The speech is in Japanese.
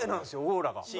オーラが。